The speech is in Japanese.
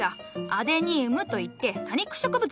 「アデニウム」といって多肉植物じゃ。